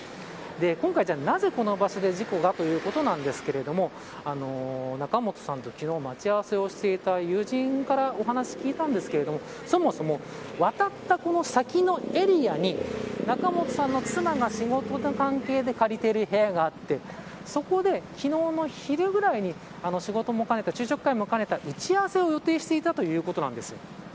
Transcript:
今回なぜ、この場所で事故がということなんですが仲本さんと昨日待ち合わせをしていた友人からお話を聞いたんですが、そもそも渡った先のエリアに仲本さんの妻が仕事の関係で借りている部屋があってそこで、昨日の昼ぐらいに仕事も兼ねた、昼食会も兼ねた打ち合わせを予定していたということなんですよ。